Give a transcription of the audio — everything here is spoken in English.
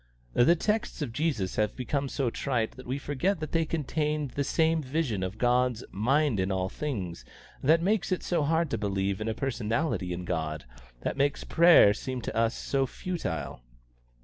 The texts of Jesus have become so trite that we forget that they contain the same vision of 'God's mind in all things' that makes it so hard to believe in a personality in God, that makes prayer seem to us so futile."